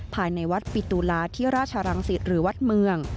ภายในวัดปิตุลาที่ราชรังสิตหรือวัดเมือง